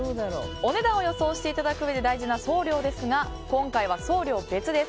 お値段を予想していただくうえで大事な送料ですが今回は送料別です。